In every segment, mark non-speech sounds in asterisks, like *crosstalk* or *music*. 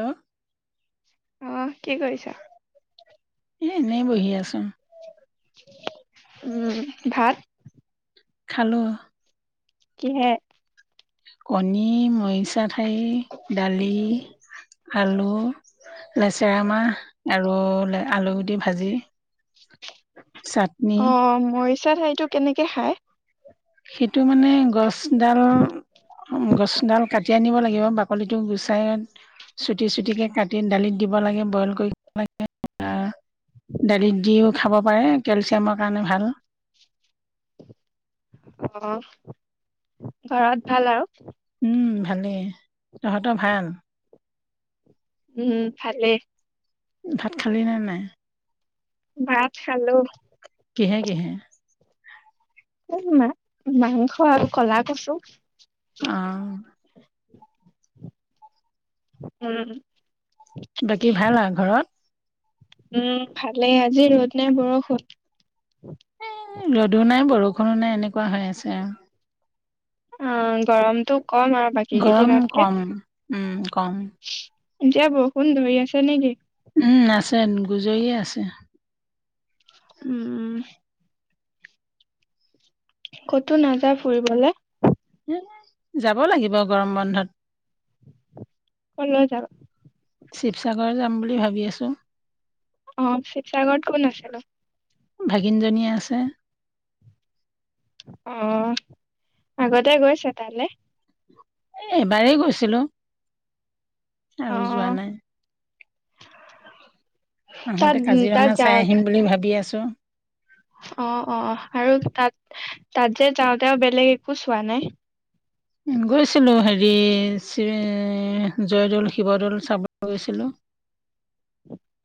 Hello. অ কি কৰিছা? এ এনেই বহি আছোং। উম ভাত। খালোঁ। কিহে। কণী, মৰিচা ঠাৰি, দালি, আলু। লেচেৰা মাহ আৰু আলু গুটি ভাজি। চাটনি অ মৰিচা ঠাৰিটো কেনেকে খাই? সিটো মানে গছডাল। উম গছডাল কাটি আনিব লাগিব বাকলিটো গুচাই। চুটি চুটিকে কাটি দালিত দিব লাগে বইল কৰিব লাগে। দালিত দিওঁ খাব পাৰে কেলচিয়ামৰ কাৰণে ভাল। অ ঘৰত ভাল আও। উম ভালেই তহঁতৰ ভাল। উম উম ভালে। ভাত খালি নে নাই। ভাত খালো। কিহে কিহে? অ শুনা মাংস আৰু ক'লা কছু। অ। উম। বাকী ভাল আৰু ঘৰত? উম, ভালে আজি ৰ'দ নে বৰষূণ? ৰ'দো নাই বৰষুণো নাই এনেকুৱা হৈ আছে আৰু। অ', গৰমটো ক'ম আৰু। বাকী গৰম কেইদিনতকে। ক'ম উম, ক'ম। এতিয়া বৰষুণ ধৰি আছে নেকি? উম, আছে গুজৰিয়ে আছে। উম, উম। ক'তো নাযায় ফুৰিবলে? যাব লাগিব গৰম বন্ধত। ক'লৈ যাবা? শিৱসাগৰ যাম বুলি ভাবি আছোঁ। অ', শিৱসাগৰত কোন আছেনো? ভাগিনজনী আছে। অ', আগতে গৈছে তালে? এবাৰেই গৈছিলো। অ আৰু যোৱা নাই। তাত আহোঁতে তাত কাজিৰঙা চাই যাওঁ আহিম বুলি ভাবি আছো। অ', অ', আৰু তাত তাত যে যাওঁতে বেলেগ একো চোৱা নাই? গৈছিলোঁ হেৰি জয়দৌল, শিৱদৌল চাবলৈ গৈছিলোঁ।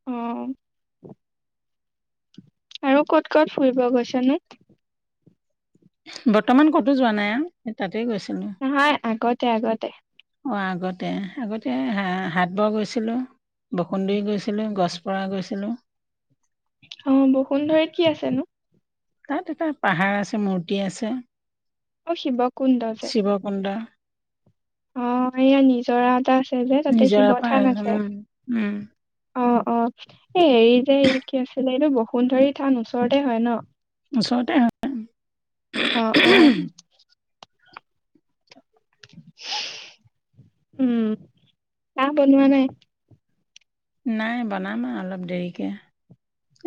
অ'। আৰু ক'ত ক'ত ফুৰিব গৈছানো? বৰ্তমান ক'তো যোৱা নাই আৰু তাতেই গৈছিলো। নহয় আগতে আগতে? অ', আগতে, আগতে হা-হাটবৰ গৈছিলো। বসুন্ধৰী গৈছিলো গছপৰা গৈছিলোঁ। অ', বসুন্ধৰিত কি আছেনো? তাত এটা পাহাৰ আছে মূৰ্তি আছে। অ', শিৱ কুণ্ড যে। *unintelligible* অ', এইয়া নিজৰা এটা আছে যে, তাতে নিজৰা শিৱ পাৰ থান উম আছে। উম অ', অ', এই হেৰি যে কি আছিলে এইটো বসুন্ধৰী থান ওচৰতে হয় ন'? ওচৰতে হয়। অ', অ'। উম, চাহ বনোৱা নাই? নাই বনাম আৰু অলপ দেৰিকে।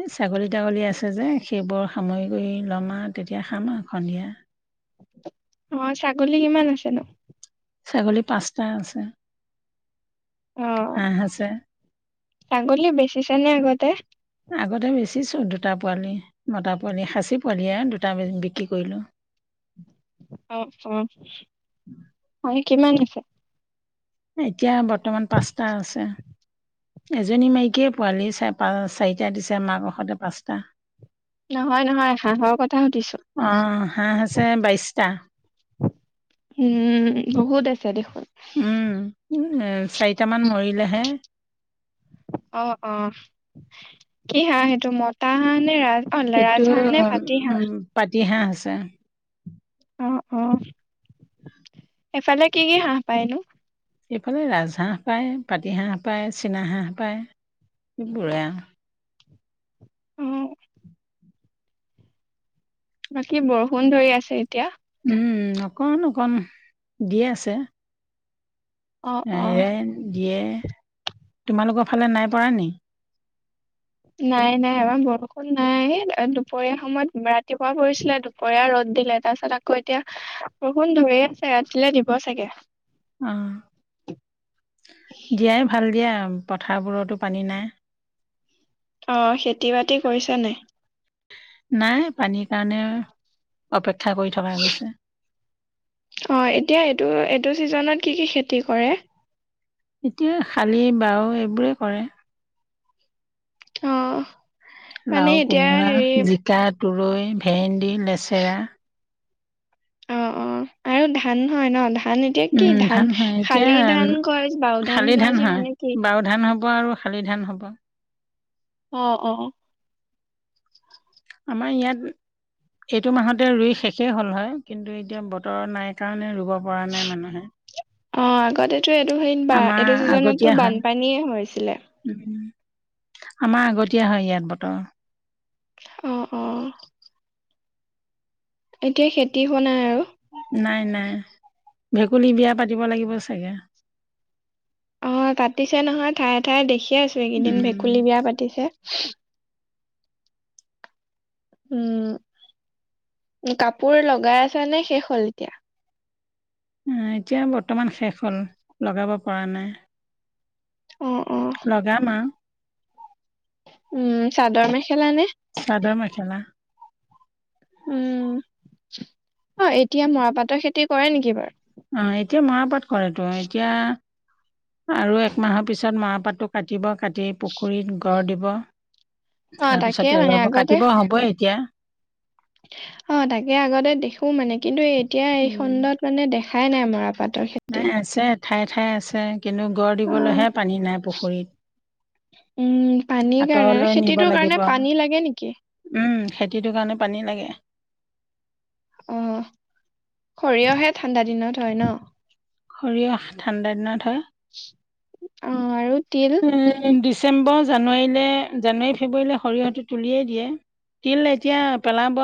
এই ছাগলী-তাগলী আছে যে, সেইবোৰ সামৰি কৰি ল'ম আৰু তেতিয়া খাম আৰু সন্ধিয়া। অ', ছাগলী কিমান আছে নো? ছাগলী পাঁচটা আছে। অ', হাঁহ আছে ছাগলী বেচিছে নে আগতে? আগতে বেচিছো দুটা পোৱালি, মটা পোৱালি, খাচী পোৱালিয়ে দুটা বিক্ৰী কৰিলোঁ। অ', অ', *unintelligible* কিমান আছে? এতিয়া বৰ্তমান পাঁচটা আছে। এজনী মাইকীয়ে পোৱালি, চাৰিটা দিছে মাকৰ সতে পাঁচটা। নহয়, নহয় হাঁহৰ কথা সুধিছো অ', হাঁহ আছে বাইশটা উম, বহুত আছে দেখোন। উম, এ চাৰিটামান মৰিলেহে। অ', অ'। কি হাঁহ এইটো মতা হাঁহ নে? অ এইটো ৰাজহাঁহ নে পাতি হাঁহ উম, পাতি হাঁহ আছে। অ', অ' এফালে কি কি হাঁহ পাইনো? এইফালে ৰাজহাঁহ পায়, পাতিহাঁহ পায়, চীনা হাঁহ পায়, এইবোৰে আৰু। উম। বাকী বৰষুণ ধৰি আছে, এতিয়া। উম, অকণ অকণ দি আছে। অ অ এৰে, দিয়ে, তোমালোকৰ ফালে নাই পৰা নেকি? নাই, নাই আমাৰ বৰষুণ নাই, দুপৰীয়া সময়ত, ৰাতিপুৱা পৰিছিলে দু পৰিয়া ৰ'দ দিলে, তাৰপিছত আকৌ এতিয়া বৰষুণ ধৰি আছে, ৰাতিলৈ দিব চাগে অ', দিয়াই ভাল দিয়া। পথাৰবোৰতো পানী নাই। অ', খেতি বাতি কৰিছা নাই? নাই, পানী কাৰণে অপেক্ষা কৰি থকা গৈছে। অ', এতিয়া এইটো, এইটো চিজনত কি কি খেতি কৰে? এতিয়া শালী, বাও এইবোৰে কৰে। অ', লাও মানে এতিয়া কোমোৰা হেৰি জিকা, তুৰৈ, ভেন্দি, লেচেৰা। অ', অ' আৰু ধান হয় ন, ধান এ এতিয়া কি উম ধান, হয় এতিয়া শালি ধান কয়, বাও ধান শালি কয় যে হয় মানে কি? বাও ধান হ'ব আৰু শালি ধান হ'ব। অ', অ'। আমাৰ ইয়াত, এইটো মাহতে ৰুই শেষেই হ'ল হয়। কিন্তু এতিয়া বতৰ নাই কাৰণে ৰুব পৰা নাই, মানুহে। অ', আগতেটো এইটো চিজিন বা আমাৰ এইটো ছিজনতো আগতীয়া হয় বানপানীয়ে হৈছিলে। আমাৰ আগতীয়া হয়, ইয়াত বতৰ। অ', অ'। এতিয়া খেতি হোৱা নাই আৰু। নাই নাই, ভেকুলী বিয়া পাতিব লাগিব চাগে অ' পাতিছে নহয়, ঠায়ে, ঠায়ে দেখিয়ে আছো এইকেইদিন, উম ভেকুলী বিয়া পাতিছে। উম, কাপোৰ লগাই আছা নে, শেষ হ'ল এতিয়া? আ, এতিয়া বৰ্তমান শেষ হ'ল, লগাব পৰা নাই। অ', অ'। লগাম‌ আৰু। উম, চাদৰ মেখেলা নে? চাদৰ মেখেলা। উম। অ' এতিয়া মৰাপাটৰ খেতি কৰে নেকি বাৰু। অ' এতিয়া মৰাপাট কৰেতো, এতিয়া আৰু এক মাহৰ পিছত মৰাপাটতো কাটিব। কাটি পুখুৰীত গড় দিব, অ তাকে তাৰপিছত মানে এৰুৱাব আগতে কাটিব হ'বই এতিয়া। অ' তাকে আগতে দেখো মানে কিন্তু এতিয়া এই উম খণ্ডত মানে দেখাই নাই, মৰাপাটৰ খেতি। নাই আছে ঠায়ে, ঠায়ে আছে। কিন্তু গড় অ দিবলৈহে পানী নাই পুখুৰীত। উম, পানীৰ কাৰণে। আঁতৰলৈ নিব খেতিটোৰ লাগিব কাৰণে পানী লাগে নেকি? উম খেতিটোৰ কাৰণে পানী লাগে অ সৰিয়হে ঠাণ্ডা দিনত হয় ন সৰিয়হ ঠাণ্ডা দিনত হয় অ আৰু তিল ডিচেম্বৰ জানুৱাৰীলৈ জানুৱাৰী ফেব্ৰুৱাৰীলৈ সৰিয়হটো তুলিয়েই দিয়ে তিল এতিয়া পেলাব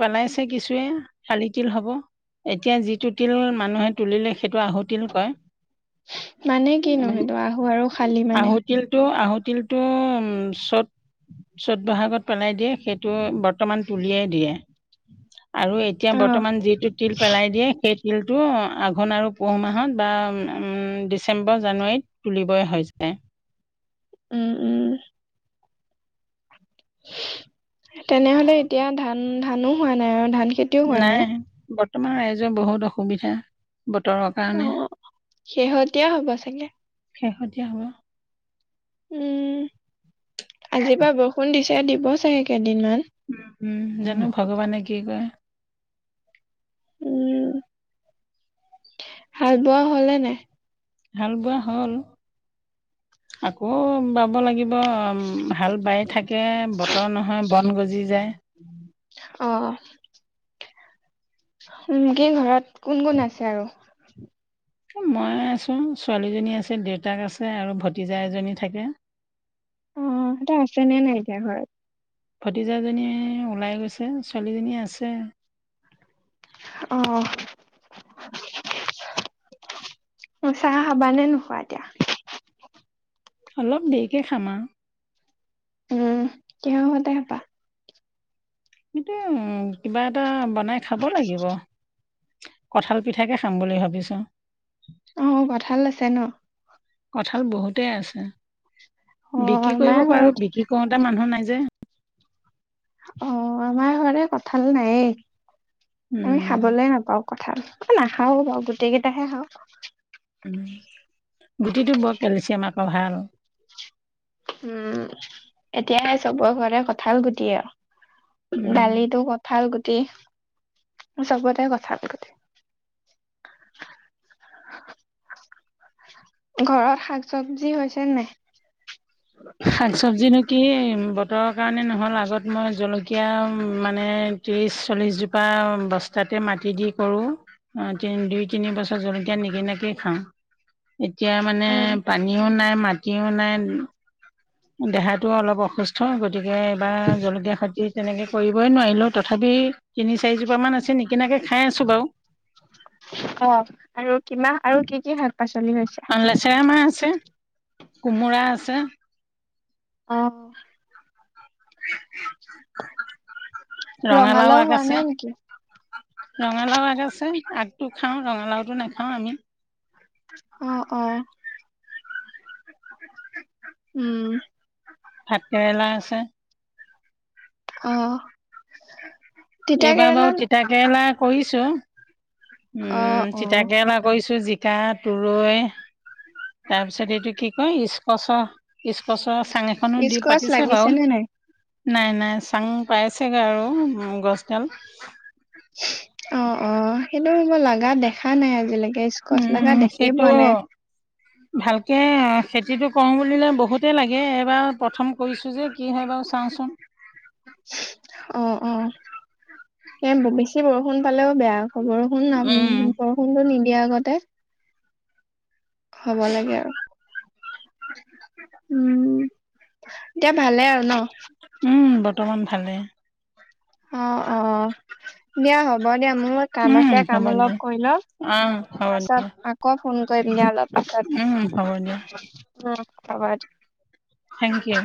পেলাইছে কিছুুৱে খালি তিল হ'ব এতিয়া যিটো তিল মানুহে তুলিলে সেইটো আহুত মানে কিনো উম, সেইটো আহো আৰু খালি আহু মানে তিলটো আহু তিলটো চ'ত চ'ত বহাগত পেলাই দিয়ে সেইটো বৰ্তমান তুলিয়াই দিয়ে আৰু এতিয়া অ বৰ্তমান যিটো তিল পেলাই দিয়ে সেই তিলটো আঘোণ আৰু পুহ মাহত বা ডিচেম্বৰ জানুৱাৰীত তুলিবই হয় যায় উম উম তেনেহলে এতিয়া ধান ধানো হোৱা নাই আৰু ধান খেতি নাই বৰ্তমান ৰাইজৰ বহুত অসুবিধা বতৰৰ অ কাৰণে শেহতীয়া হব চাগে শেহতীয়া হব উম আজিৰ পৰা বৰষুণ দিছে দিব চাগে কেইদিনমান উম উম জানো ভগৱানে কি কয় উম *unintelligible* বোৱা হ'ল নে নাই হাল বোৱা হল আকৌ বাব লাগিব অ হাল বাৰী থাকে বতৰ নহয় বন গজি যায় অ *unintelligible* ঘৰত কোন কোন আছে আৰু মই আছো ছোৱালীজনী আছে দেউতাক আছে আৰু ভতিজা এজনী থাকে অ তে আছেনে নাই এতিয়া ঘৰত ভতিজা জনী ওলাই গৈছে ছোৱালীজনী আছে অ চাহ খাবা নে নোখোৱা এতিয়া অলপ দেৰিকে খাম আৰু উম *unintelligible* কিহতে হেবা *unintelligible* কিবা এটা বনাই খাব লাগিব কঁঠাল পিঠাকে খাম বুলি ভাবিছোঁ অ কঠাল আছে ন কঁঠাল বহুতেই আছে অ', বিক্ৰী কৰিব আমাৰ পাৰো ঘৰত বিক্ৰী কৰোতা মানুহ নাই যে অ আমাৰ ঘৰতে কঠাল নাইয়ে আমি উম খাবলে নাপাওঁ কঠাল মই নাখাওঁ বাৰু গুটি কেইটাহে খাওঁ উ গুটিটো বৰ কেলচিয়াম আকৌ ভাল উম এতিয়া চবৰ ঘৰতে কঁঠাল গুটিই আৰু উম দালিতে কঠাল গুটি চবতে কঁঠাল গুটি ঘৰত শাক চব্জি হৈছে নে নাই শাক চব্জি নো কি বতৰৰ কাৰণে নহ'ল আগত মই জলকীয়া মানে ত্ৰিছ চল্লিছজোপা বস্তাতে মাটি দি কৰোঁ। অ, দুই তিনি বছৰ জলকীয়া নিকিনাকেই খাওঁ। এতিয়া মানে উম, পানীও নাই মাটিও নাই দেহাতো অলপ অসুস্থ, গতিকে এইবাৰ জলকীয়া খতিত তেনেকৈ কৰিবই নোৱাৰিলোও, তথাপি তিনি চাৰিজোপামান আছে নিকিনাকৈ খাই আছোঁ বাৰু। অঁ, আৰু কিমান আৰু কি কি শাক- পাচলি হৈছে? লেচেৰা মাহ আছে, কোমোৰা আছে। অ। আগ ৰঙালাও হোৱা আছে, নাই নেকি? ৰঙালাও আগ আছে। আগতটো খাওঁ ৰঙালাওটো নাখাওঁ আমি। অঁ, অ, উম। ভাতকেৰেলা আছে। অঁ। এইবাৰ বাৰু, তিতাকেৰেলা কৰিছো। অ উম, অ তিতাকেৰেলা কৰিছো। জিকা, তুৰৈ তাৰপিছত এইটো কি কয়, স্কচৰ- স্কচৰ চাং এখনো দি স্কচ পাতিছে লাগিছে বাৰু। নে নাই নাই, নাই চাং পাইছেগৈ আৰু গছডাল। অঁ, অ, সেইটো হ'ব লগা দেখা নাই, আজিলৈকে স্কচ লগা দেখিয়ে পোৱা নাই। *inaudible* ভালকৈ খেতিটো কৰোঁ বুলিলে বহুতেই লাগে। এইবাৰ প্ৰথম কৰিছোঁ যে কি হয় বাৰু চাওঁচোন। অঁ, অ এ, বেছি বৰষুণ পালেও বেয়া হব। উম, উম বৰষুণ, বৰষুণটো নিদিয়া আগতে হব লাগে আৰু, উম। এতিয়া ভালে আৰু ন? উম, বৰ্তমান ভালে। অঁ, অ, দিয়া হ'ব দিয়া, মোৰ কাম উম, আছে হ'ব কাম দিয়া। অলপ কৰি লম। অ', হ'ব তাৰপাছত দিয়া। আকৌ ফোন কৰিম দিয়া, অলপ পাছত। উম, হ'ব দিয়া। উম, হব। Thank U.